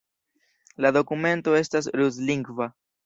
La dokumento estas ruslingva.